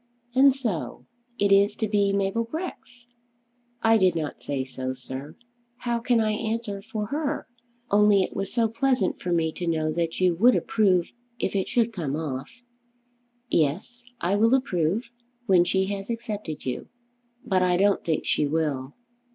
And so it is to be Mabel Grex?" "I did not say so, sir. How can I answer for her? Only it was so pleasant for me to know that you would approve if it should come off." "Yes; I will approve. When she has accepted you " "But I don't think she will."